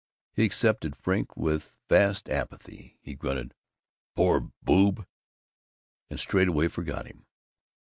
He accepted Frink with vast apathy; he grunted, "Poor boob!" and straightway forgot him.